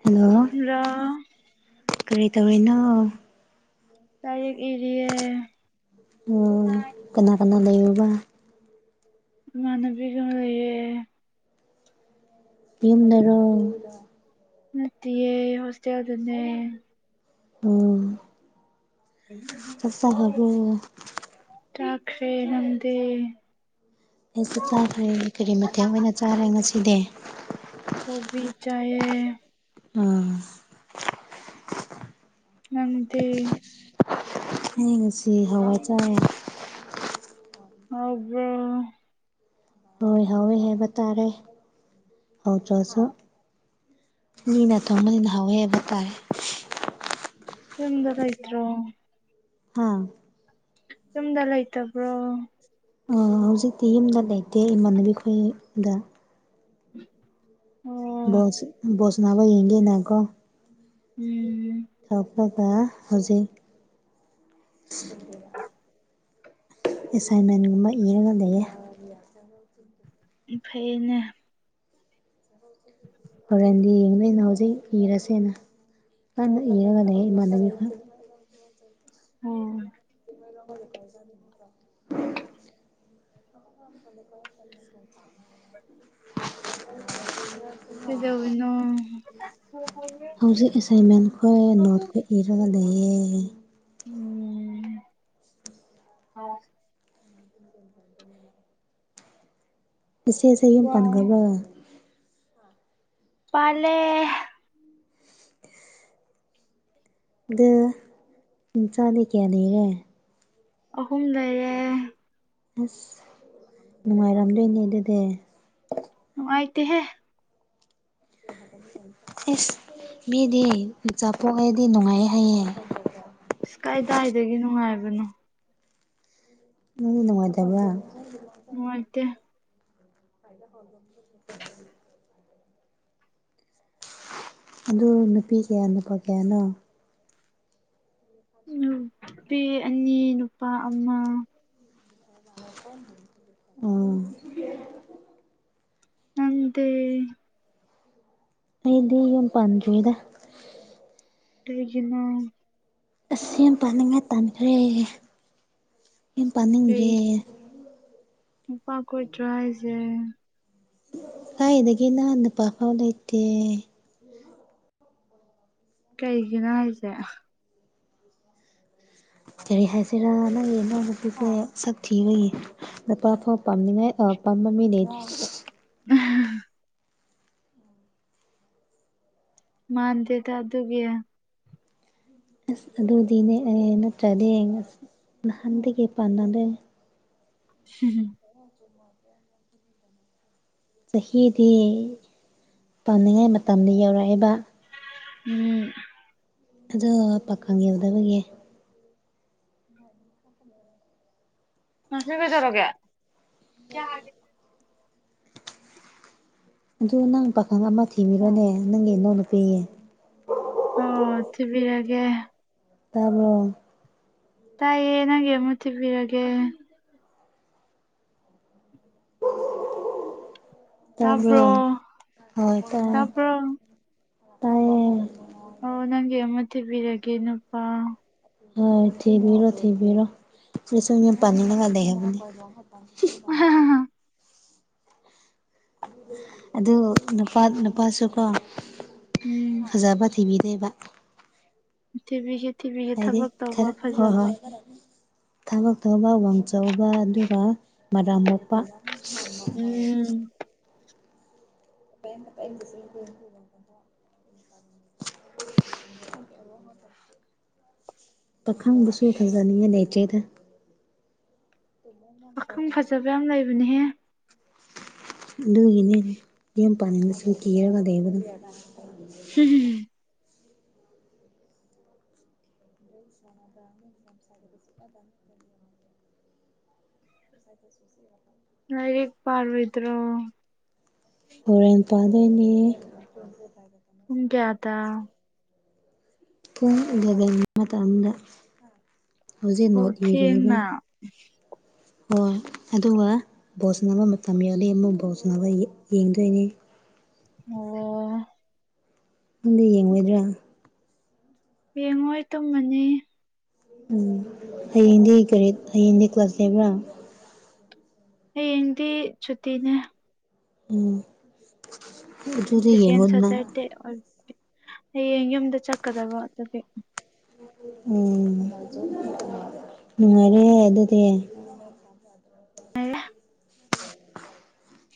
hello ꯔ ꯀꯔꯤ ꯇꯧꯔꯤꯅꯣ ꯂꯥꯏꯔꯤꯛ ꯏꯔꯤꯌꯦ ꯎꯝ ꯀꯅꯥ ꯀꯅꯥ ꯂꯩꯌꯕ ꯃꯅꯕꯤꯒꯦ ꯌꯨꯝꯗꯔꯣꯡ ꯅꯠꯇꯦꯌꯦ ꯍꯣꯁꯇꯦꯜꯗꯨꯅꯦ ꯎꯝ ꯆꯥꯈ꯭ꯔꯕ꯭ꯔꯣ ꯇꯈꯦ ꯅꯗꯦ [unintelligible] ꯑꯩꯁꯨ ꯆꯥꯈ꯭ꯔꯦ ꯀꯔꯤ ꯃꯇꯦꯡ ꯑꯣꯏꯅ ꯆꯥꯔꯦ ꯉꯁꯤꯗꯤ ꯀꯕꯤꯤ ꯆꯌꯦ ꯎꯝ ꯅꯪꯗꯤ ꯍꯌꯦꯡꯁꯤ ꯍꯋꯥꯏ ꯆꯥꯔꯦ ꯍꯗꯦ ꯍꯣꯏ ꯍꯣꯏ ꯍꯥꯏꯕ ꯇꯥꯔꯦ ꯍꯧ ꯆ꯭ꯔꯁꯨ ꯃꯤꯅ ꯊ ꯃꯅ ꯍꯋꯦꯕ ꯇꯥꯏ ꯁꯤꯝꯗꯂ ꯏ꯭ꯔꯣ ꯍꯥꯥ ꯌꯨꯝꯗ ꯂꯩꯇꯕ꯭ꯔꯣ ꯍꯧꯖꯤꯛꯇꯤ ꯌꯨꯝꯗ ꯂꯩꯇꯦ ꯏꯃꯥꯟꯅꯕꯤ ꯈꯣꯏꯗ ꯎꯝ ꯕꯣꯁ ꯕꯣꯁꯅꯥꯕ ꯌꯦꯡꯒꯦꯅꯦꯀꯣ ꯎꯝ ꯊꯣꯛꯕ ꯍꯧꯖꯤꯛ ꯑꯗꯨ ꯑꯦꯁꯥꯏꯟꯃꯦꯟꯒꯨꯝꯕ ꯏꯔꯒ ꯂꯩꯌꯦ ꯆ ꯆ ꯑꯐꯩꯅꯦ [unintelligible] ꯍꯣꯔꯦꯟꯗꯤ ꯌꯦꯡꯗꯣꯏ ꯑꯅ ꯍꯧꯖꯤꯛ ꯏꯔꯁꯦꯅ ꯀꯟꯅ ꯏꯔꯒ ꯂꯩ ꯏꯃꯥꯟꯅꯕꯤ ꯈꯣꯏ ꯑꯣꯝ ꯀ [unintelligible] [inaudible] ꯀꯩꯗꯧꯔꯤꯅꯣ ꯍꯧꯖꯤꯛ ꯑꯦꯁꯥꯏꯟꯃꯦꯟꯈ ꯅꯣꯠ ꯄꯤꯔꯒ ꯂꯩꯌꯦ ꯎꯝ ꯍ ꯁꯦꯁꯝ ꯄꯟꯒꯕ ꯄꯂꯦ ꯑ ꯏꯟꯁꯥꯅ ꯀꯌꯥꯅꯤꯔꯦ ꯑꯍꯨꯝ ꯂꯩꯔ ꯑꯁ ꯅꯨꯡꯉꯥꯏꯔꯝꯗꯣꯏꯅꯦ ꯑꯗꯨꯗꯤ ꯅꯨꯡꯉꯥꯏꯇꯦꯍꯦ ꯏꯁꯁ ꯃꯤꯗꯤꯆꯥꯥ ꯄꯣꯛꯑꯗꯤ ꯅꯨꯡꯉꯥꯏ ꯍꯥꯏꯌꯦ ꯏꯁ ꯀꯥꯏꯗꯥꯏꯗꯒꯤ ꯅꯨꯡꯉꯥꯏꯕꯅꯣ ꯅꯉꯥꯏꯗꯕꯥ ꯍ ꯑꯠꯇꯦ ꯍ ꯑꯗꯨ ꯅꯨꯄꯤ ꯀꯌꯥ ꯅꯨꯄꯥ ꯀꯌꯥꯅꯣ ꯅꯨꯄꯤ ꯑꯅꯤ ꯅꯨꯄꯥ ꯑꯃ ꯑꯥ ꯅꯗ ꯑꯩꯗꯤ ꯌꯥꯝ ꯄꯟ ꯆꯨꯗ ꯅ ꯑꯁ ꯌꯥꯝ ꯄꯥꯅꯤꯡꯉꯥꯏ ꯇꯥꯟꯈ꯭ꯔꯦ ꯌꯥꯝ ꯄꯥꯅꯤꯡꯗ꯭ꯔꯦ ꯎꯄꯥ ꯀꯣꯏꯗ꯭ꯔ ꯍꯥꯏꯁꯦ ꯀꯥꯏꯗꯒꯤ ꯅꯍꯥꯟ ꯅꯨꯄꯥꯐꯥꯎ ꯂꯩꯇꯦ ꯀꯩꯒꯤꯅꯣ ꯍꯥꯏꯁꯦ ꯀꯔꯤ ꯍꯥꯏꯁꯤꯔꯥ ꯅꯪꯒꯤꯅꯥꯪꯎ ꯅꯨꯄꯤ ꯐꯥꯎ ꯁꯛ ꯊꯤꯕꯒꯤ ꯅꯨꯄꯥꯐꯥꯎ ꯄꯥꯝꯅꯤꯡꯉꯥꯏ ꯃꯃꯃꯤ ꯅ ꯎꯝ ꯃꯥꯥꯟꯗꯦ ꯊ ꯑꯗꯨꯒꯌꯥ ꯑꯁ ꯑꯗꯨꯗꯤꯅꯦ ꯅꯠꯇ꯭ꯔꯗꯤ ꯑꯁ ꯅꯍꯥꯟꯗꯒꯤ ꯄꯥꯟꯅꯗ ꯍꯝꯨꯝ ꯋꯥ ꯍꯥꯏ ꯆꯍꯤꯗꯤ ꯄꯥꯝꯅꯤꯡꯉꯥꯏ ꯃꯇꯝꯗ ꯌꯧꯔꯛꯏꯕ ꯎꯝ ꯑꯗꯣ ꯄꯥꯀꯪ ꯌꯧꯗꯕꯒꯤ ꯎꯝ ꯉꯪꯁ ꯀꯩꯗꯧꯔꯒꯦ ꯑꯗꯨ ꯅꯪ ꯄꯥꯈꯪ ꯑꯃ ꯊꯤꯕꯤꯔꯣꯅꯦ ꯅꯪꯒꯤ ꯏꯅꯎ ꯅꯨꯨꯄꯤꯌꯦ ꯑꯣ ꯊꯤꯕꯤꯔꯒꯦ ꯇꯥꯕꯣ ꯇꯥꯏꯌꯦ ꯌꯦ ꯅꯒꯦ ꯃ ꯇ ꯄꯔꯒꯦ ꯇꯕ ꯇꯥꯕ꯭ꯔꯣ ꯍꯣꯏ ꯇ ꯇꯥꯕ꯭ꯔꯣ ꯇꯥꯏꯌꯦ ꯑꯣ ꯅꯪꯒ ꯃ ꯇꯕꯤꯤꯔꯒꯦ ꯅꯨꯄꯥ ꯍꯣꯏ ꯊꯕꯤꯔꯣ ꯊꯕꯤꯔꯣꯁꯨꯣ ꯄꯅꯤ ꯂꯗ ꯍꯥꯏꯕ ꯑꯗꯨ ꯅꯨꯄꯥ ꯅꯨꯄꯥꯁꯨꯀꯣ ꯎꯝ ꯐꯖꯕ ꯊꯤꯕꯤꯗ ꯂꯩꯦꯕ ꯇꯤꯚꯤꯒꯤ ꯇꯤꯚꯤꯒꯤ ꯍꯥꯏꯗꯤ ꯊꯕꯛ ꯇꯧꯕ ꯈꯔ ꯍꯣꯏ ꯐꯖꯕ ꯍꯣꯏ ꯊꯕꯛ ꯇꯧꯕ ꯎꯋꯪꯆꯧꯕ ꯑꯗꯨꯒ ꯃꯔꯥꯝ ꯃꯣꯛꯄ ꯎꯝ [inaudible] ꯄꯥꯈꯪꯕꯁꯨ ꯊꯖꯅꯤꯡꯉ ꯂꯩꯆꯦꯗ ꯄꯥꯈꯪ ꯐꯖꯕ ꯌꯥꯝ ꯂꯩꯕꯅꯦꯍꯦ ꯑꯗꯨꯒꯤꯅꯦ ꯌꯥꯝ ꯄꯥꯅꯤꯡꯅꯁꯨ ꯀꯤꯔꯒꯗꯩꯕꯗ ꯍꯨꯝ ꯍꯨꯝ ꯍꯨꯝꯃꯝꯝ ꯆꯁ ꯂꯥꯏꯔꯦꯛ ꯄꯥꯔ ꯑꯣꯏꯗ꯭ꯔꯣ ꯍꯣꯔꯦꯟ ꯄꯥꯗꯣꯏꯅꯦ ꯗ ꯎ ꯀꯌꯥꯗ ꯄꯨꯡ ꯎꯂꯒꯟ ꯃꯇꯝꯗ ꯍꯧꯖꯤꯛ ꯑꯣ ꯅꯣꯠ ꯏꯔꯤꯕ ꯊꯦꯡꯅ ꯍ ꯑꯗꯨꯒ ꯕꯣꯠ ꯁꯅꯕ ꯃꯇꯝ ꯌꯎꯜꯂꯤ ꯑꯃꯨꯛ ꯕꯣꯠ ꯁꯅꯕ ꯌꯦꯡꯗꯣꯏꯅꯤ ꯑꯣ ꯅꯪꯗꯤ ꯌꯦꯡꯉꯣꯏꯗ꯭ꯔꯥ ꯌꯦꯡꯉꯣꯏ ꯇꯨꯝꯃꯅꯤ ꯎꯝ ꯍꯌꯦꯡꯗꯤ ꯀꯔꯤ ꯍꯌꯦꯡꯗꯤ ꯀ꯭ꯂꯥꯁ ꯂꯩꯕ꯭ꯔꯥ ꯍꯌꯦꯡꯗꯤ ꯁꯨꯇꯤꯅꯦ ꯎꯝ ꯎꯝ ꯆꯦꯀꯦꯟ ꯁꯇꯔꯗꯦ ꯍꯌꯦꯡ ꯌꯨꯝꯗ ꯆꯠꯀꯗꯕ ꯑꯗꯨꯒꯤ ꯎꯝ ꯅꯨꯡꯉꯥꯏꯔꯦ ꯑꯗꯨꯗꯤ ꯉꯥꯏꯔꯦ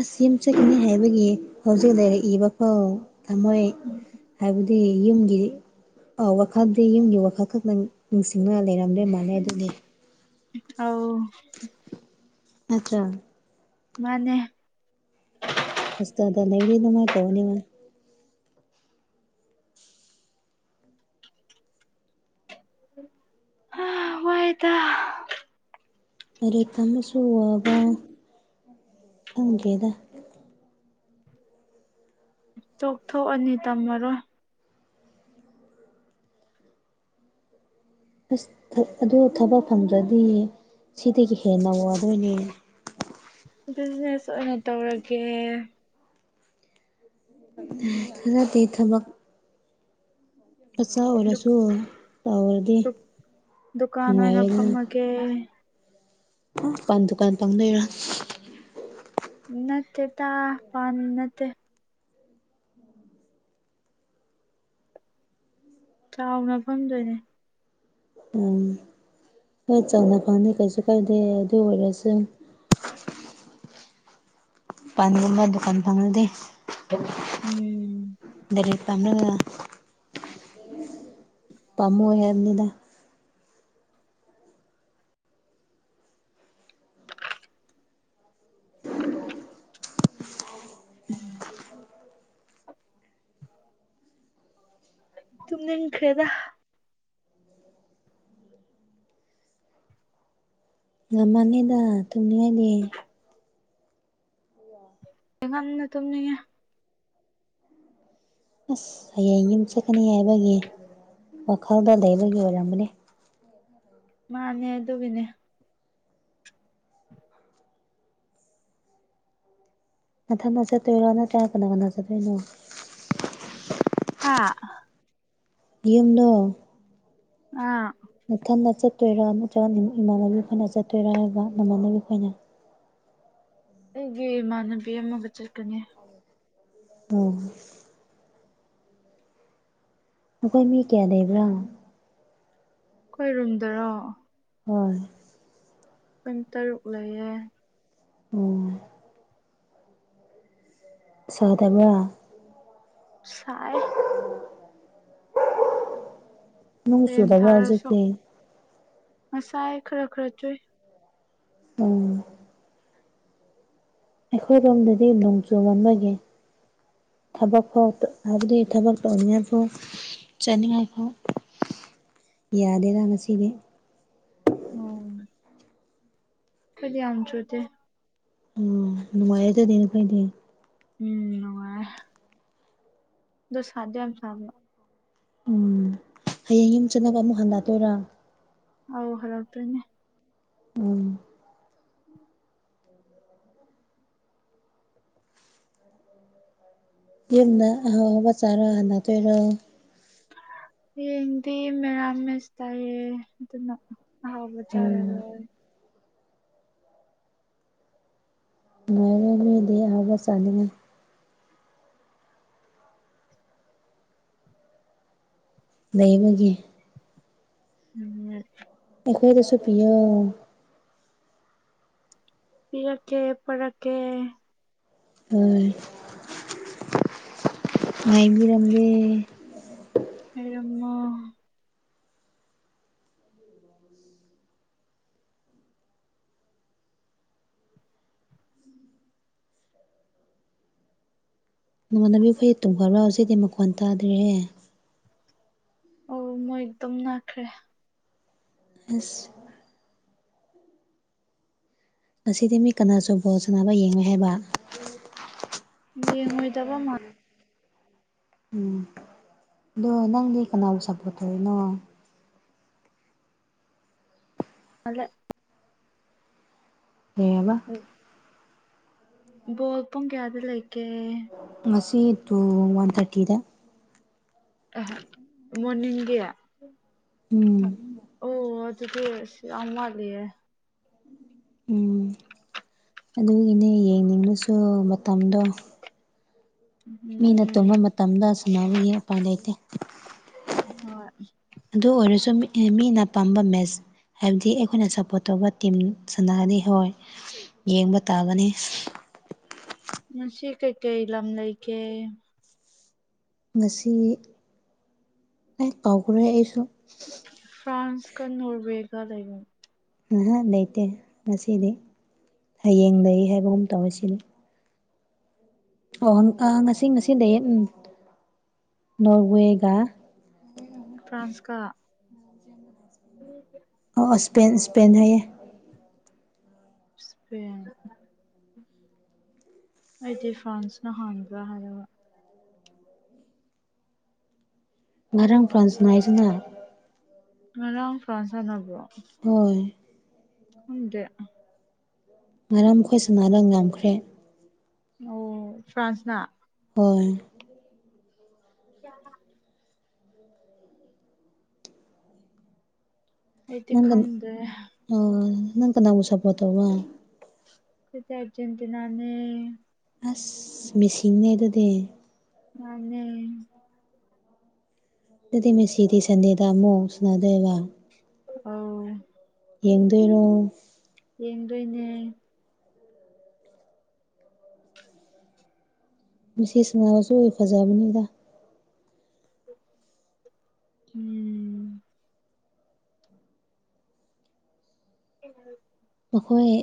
ꯑꯁꯤ ꯑꯃ ꯆꯠꯈꯤꯅꯤ ꯍꯥꯏꯕꯒꯤ ꯍꯧꯖꯤꯛ ꯂꯩꯔꯛꯏꯕ ꯐꯧ ꯊꯝꯃꯣꯏ ꯎꯝ ꯍꯥꯏꯕꯗꯤ ꯌꯨꯝꯒꯤꯗꯤ ꯑꯥ ꯋꯥꯈꯜꯗꯤ ꯌꯨꯝꯒꯤ ꯋꯥꯈꯜ ꯈꯛꯇꯪ ꯅꯤꯡꯁꯤꯡꯗꯨꯅ ꯂꯩꯔꯝꯗꯦ ꯃꯥꯥꯟꯂꯩ ꯑꯗꯨꯅꯤ ꯑꯥꯎ ꯑꯆꯥ ꯃꯥꯅꯦ ꯍꯁꯗ ꯅꯔꯤ ꯅꯅꯨꯡꯥꯏ ꯇꯧꯅꯤ ꯑ ꯍꯣꯏꯗ ꯑꯩ ꯇ ꯑꯃꯁꯨ ꯋꯥꯕ ꯈꯪꯗꯦꯗ ꯆꯣꯛꯊꯣꯛꯑꯅꯤ ꯇꯝꯃꯔꯣꯏ ꯑꯁ ꯑꯗꯣ ꯊꯕꯛ ꯐꯪꯗ꯭ꯔꯗꯤ ꯁꯤꯗꯒꯤ ꯍꯦꯟꯅ ꯋꯥꯗꯣꯏꯅꯤꯅꯦ ꯕꯤꯖꯤꯅꯦꯁ ꯑꯣꯏꯅ ꯇꯧꯔꯒꯦ ꯍꯔꯗꯤ ꯊꯃꯛ ꯃꯆꯥ ꯗꯨꯛ ꯑꯣꯏꯜꯔꯁꯨ ꯇꯧꯔꯗꯤ ꯗꯨꯛ ꯗꯨꯀꯥꯟ ꯑꯣꯏꯅ ꯅꯨꯡꯉꯥꯏꯔꯅꯤ [unintelligible] ꯄꯥꯟ ꯗꯨꯀꯥꯟ ꯄꯥꯡꯅꯩꯔꯥ ꯅꯠꯇꯦ ꯇꯥ ꯄꯝ ꯅꯠꯇꯦ ꯆꯥꯎꯅ ꯐꯝꯗꯣꯏꯅꯦ ꯑꯝ ꯍꯣꯏ ꯆꯥꯎꯅ ꯐꯪꯅꯤ ꯀꯩꯁꯨ ꯀꯥꯏꯗꯦ ꯑꯗꯨ ꯑꯣꯏꯔꯁꯨ ꯄꯗꯝ ꯃꯥ ꯗꯨꯀꯥꯟ ꯐꯉꯗ ꯎꯝ ꯗꯔꯤ ꯇꯝꯅ ꯄꯥꯝꯃꯣꯏ ꯍꯥꯏꯕꯅꯤꯅ ꯀꯀꯛ ꯎꯝ ꯇꯨꯃꯤꯅ ꯅꯤꯡ ꯀꯩꯗꯗꯥ ꯉ ꯃꯥꯥꯟꯂꯗ ꯊꯨꯝꯅꯤꯡꯉꯥꯏꯗꯤ ꯉꯝꯅ ꯇꯅ ꯑꯁ ꯍꯌꯦꯡ ꯌꯨꯝ ꯆꯠꯀꯅꯤ ꯍꯥꯏꯕꯒꯤ ꯋꯥꯈꯜꯗ ꯂꯩꯕꯒꯤ ꯑꯣꯏꯔꯝꯕꯅꯦ ꯃꯥꯅꯦ ꯑꯗꯨꯒꯤꯅꯦ ꯃꯊꯪꯗ ꯆꯠꯇꯣꯏꯔꯣ ꯅꯠꯇ꯭ꯔꯒ ꯀꯅꯥ ꯀꯅꯥ ꯆꯠꯇꯣꯏꯅꯣ ꯍꯥꯥ ꯌꯨꯝꯅ ꯑꯥ ꯅꯊꯟꯅ ꯆꯠꯇꯣꯏꯔꯥ ꯅꯠꯇ꯭ꯔꯒ ꯏꯃꯥꯟꯅꯕꯤ ꯑꯩꯈꯣꯏꯅ ꯆꯠꯇꯣꯏꯔꯥ ꯍꯥꯏꯕ ꯅꯃꯥꯟꯅꯕꯤ ꯑꯩꯈꯣꯏꯅ ꯑꯩꯒꯤ ꯏꯃꯥꯟꯅꯕꯤ ꯑꯃꯒ ꯆꯠꯀꯅꯤ ꯑꯣ ꯑꯩꯈꯣꯏ ꯃꯤ ꯀꯌꯥ ꯂꯩꯕ꯭ꯔꯥ ꯈꯣꯏꯔꯨꯝꯗꯔꯣ ꯍꯣꯏ ꯀꯨꯟ ꯇꯔꯨꯛ ꯂꯩꯌꯦ ꯎꯝ ꯁꯗꯕ ꯁꯥꯏ ꯅꯣꯡ ꯐꯦꯟ ꯆꯨꯗꯕ꯭ꯔꯥ ꯊꯥꯔꯁꯨ ꯍꯧꯖꯤꯛꯇꯤ ꯉꯁꯥꯏ ꯈꯔ ꯈꯔ ꯆꯨꯏ ꯎꯝ ꯑꯩꯈꯣꯏꯔꯣꯝꯗꯗꯤ ꯅꯣꯡꯖꯨ ꯑꯃꯝ ꯊꯕꯛ ꯐꯥꯎ ꯍꯥꯏꯕꯗꯤ ꯊꯕꯛꯛꯇꯧꯅꯤꯐꯥꯎ ꯆꯠꯅꯤꯡꯉꯥꯏ ꯐꯥꯎ ꯌꯥꯗꯦꯔ ꯉꯁꯤꯗꯤ ꯎꯝ ꯈꯨꯠ ꯌꯥꯝꯗ꯭ꯔ ꯇꯤ ꯅꯨꯡꯃꯌꯦꯗꯗꯅ ꯐꯩꯅꯦ ꯎꯝ ꯁꯥꯗ ꯌꯥꯝ ꯁꯝꯅ ꯎꯝ ꯍꯌꯦꯡ ꯌꯨꯝ ꯆꯠꯅꯕ ꯑꯃꯨꯛ ꯍꯟꯂꯇꯣꯏꯔꯥ ꯑꯣ ꯍꯂꯛ ꯇꯣꯏꯅꯦ ꯎꯝ ꯌꯦꯟꯅ ꯍꯥꯋꯥꯕꯆꯥꯔ ꯍꯥꯟꯂ ꯇꯣꯏꯔꯣ ꯌꯦꯗꯤ ꯃꯦꯂꯝꯃꯦꯁ ꯇꯥꯏꯌꯦ ꯑꯗꯨꯅ ꯑꯍꯥꯎ ꯎꯝ ꯆꯔꯔꯣꯏ ꯃꯤꯗꯤ ꯑꯍꯥꯎꯕ ꯆꯥꯅꯤꯡꯉꯦ ꯂꯩꯕꯒꯤ ꯎꯝ ꯑꯩꯈꯣꯏ ꯒꯤꯁꯨ ꯄꯤꯌꯣ ꯄꯤꯔꯛꯀꯦ ꯄꯣꯔꯛꯀꯦ ꯍꯣꯏ ꯉꯥꯏꯕꯤꯔꯝꯒꯦ ꯎ ꯑꯩꯔꯝꯃꯣ ꯅꯣꯡꯉꯥꯟꯗꯕꯤ ꯐꯣꯏ ꯇꯨꯡ ꯈꯕꯥꯎ ꯍꯧꯁꯤꯗꯤ ꯃꯈꯀꯣꯟ ꯇꯥꯗ꯭ꯔꯤꯦ ꯑꯣ ꯃꯣꯏ ꯑꯗꯨꯝ ꯅꯥꯈ꯭ꯔꯦ ꯑꯁ ꯉꯁꯤꯗꯤ ꯃꯤ ꯀꯅꯥꯁꯨ ꯕꯣꯜ ꯁꯥꯟꯅꯕ ꯌꯦꯡꯉ ꯍꯥꯏꯕ ꯌꯦꯉꯣꯏꯗꯕ ꯃꯥ ꯎꯝ ꯑꯗꯣ ꯅꯪꯗꯤ ꯀꯅꯥꯕꯨ ꯁꯥꯄꯣꯔꯠ ꯇꯧꯔꯤꯅꯣ ꯑꯂꯦ ꯀꯩꯍꯥꯏꯕ ꯕꯣꯜ ꯄꯨꯡ ꯀꯌꯥꯗ ꯂꯩꯒꯦ ꯉꯁꯤ ꯗꯨ ꯋꯥꯟ ꯊꯥꯔꯇꯤꯗ ꯑ ꯃꯣꯔꯅꯤꯡꯒꯤ ꯎꯝ ꯑꯣ ꯑꯗꯨꯗꯤ ꯑꯁ ꯌꯥꯝ ꯋꯥꯠꯂꯤꯌꯦ ꯎꯝ ꯑꯗꯨꯒꯤꯅꯦ ꯌꯦꯡꯅꯤꯡꯉꯁꯨ ꯃꯇꯝꯗꯣ ꯃꯤꯅ ꯎꯝ ꯇꯨꯝꯕ ꯃꯇꯝꯗ ꯁꯥꯟꯅꯕꯒꯤ ꯎꯄꯥꯏ ꯂꯩꯇꯦ ꯍꯣꯏ ꯑꯗꯨ ꯑꯣꯏꯔꯁꯨ ꯃꯤꯅ ꯄꯥꯝꯕ ꯃꯦꯁ ꯍꯥꯏꯕꯗꯤ ꯑꯩꯈꯣꯏꯅ ꯁꯞꯄꯣꯔꯠ ꯇꯧꯕ ꯇꯤꯝ ꯁꯅꯥꯗꯤ ꯍꯣꯏ ꯌꯦꯡꯕ ꯇꯥꯕꯅꯤ ꯉꯁꯤ ꯀꯩ ꯀꯩ ꯂꯝ ꯂꯩ ꯀꯦ ꯉꯁꯤ ꯑꯩ ꯀꯥꯎꯈ꯭ꯔꯦ ꯑꯩꯁꯨ ꯐ꯭ꯔꯥꯟꯁ ꯀ ꯅꯣꯔꯋꯧꯒ ꯂꯩꯕ ꯉꯍꯥ ꯂꯩꯇꯦ ꯉꯁꯤꯗꯤ ꯍꯌꯦꯡ ꯂꯩ ꯍꯥꯏꯕꯒꯨꯝ ꯇꯧꯋ ꯁꯤꯅꯤ ꯑꯣ ꯉꯁꯤ ꯉꯁꯤ ꯂꯩꯌꯦ ꯅꯣꯔꯋꯦꯒ ꯐ꯭ꯔꯥꯟꯁꯀ ꯎꯝ ꯑꯣ ꯑꯁ ꯁ꯭ꯄꯦꯟ ꯁ꯭ꯄꯦꯟ ꯍꯥꯏꯌꯦ ꯏꯁꯄꯦꯟ ꯑꯩꯗꯤ ꯐ꯭ꯔꯥꯟꯁꯅ ꯍꯥꯟꯕ꯭ꯔꯥ ꯍꯥꯏꯔꯒ ꯉꯔꯥꯡ ꯐ꯭ꯔꯥꯟꯁ ꯁꯥꯅꯩ [unintelligible] ꯉꯔꯤꯡ ꯐ꯭ꯔꯥꯥꯟꯁ ꯁꯅꯥꯕ꯭ꯔꯣ ꯍꯣꯏ ꯈꯪꯗ꯭ꯔꯦ ꯉꯔꯥꯡ ꯈꯣꯏ ꯁꯅꯕ ꯉꯝꯈ꯭ꯔꯦ ꯑꯣ ꯐ꯭ꯔꯥꯟꯁꯅ ꯑꯣꯏ ꯌꯥ ꯑꯩꯗꯤ ꯈꯪꯗꯦ ꯑꯣꯢ ꯅꯪ ꯀꯅꯥꯕꯨ ꯁꯄꯣꯠ ꯇꯧꯕ ꯑꯩꯗꯤ ꯑꯔꯖꯦꯟꯇꯤꯅꯥꯅꯦ ꯑꯁ ꯃꯦꯁꯤꯅꯦ ꯑꯗꯨꯗꯤ ꯃꯥꯅꯦ ꯑꯗꯨꯗꯤ ꯃꯁꯤꯗꯤ ꯁꯟꯗꯦꯗꯃꯣ ꯁꯅꯥꯗꯣꯢꯕ ꯑꯣ ꯌꯦꯡꯗꯣꯢꯔꯣ ꯌꯦꯡꯗꯣꯏꯅꯦ ꯃꯤꯁꯤ ꯁꯅꯕꯁꯨ ꯐꯖꯕꯅꯤꯗ ꯎꯝ ꯑꯦ [unintelligible] ꯃꯈꯣꯏ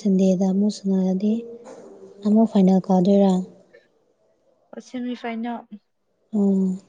ꯁꯟꯗꯦꯗ ꯑꯃꯨꯛ ꯁꯪꯉꯛꯑꯗꯤ ꯑꯃꯨꯛ ꯐꯥꯏꯅꯦꯜ ꯀꯥꯎꯗꯣꯏꯔꯥ ꯑ ꯁꯦꯃꯤꯐꯥꯏꯅꯦꯜ ꯎꯝ